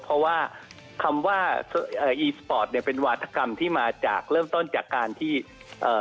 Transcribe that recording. เพราะว่าคำว่าเอ่ออีสปอร์ตเนี่ยเป็นวาธกรรมที่มาจากเริ่มต้นจากการที่เอ่อ